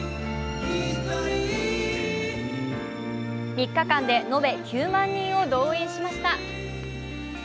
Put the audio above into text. ３日間で延べ９万人を動員しました。